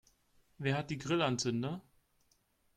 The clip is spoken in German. Wer hat die Grillanzünder?